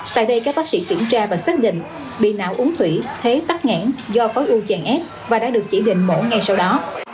tại đây các bác sĩ kiểm tra và xác định bị não uống thủy thế tắt ngãn do khối u chàng ép và đã được chỉ định mổ ngay sau đó